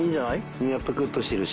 身がプクッとしてるし。